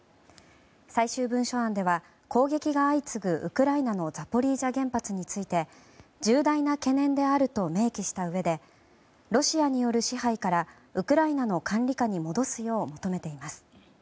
最終文書案では、攻撃が相次ぐウクライナのザポリージャ原発について重大な懸念であると明記したうえでロシアによる支配からウクライナの管理下に戻すよう求めています。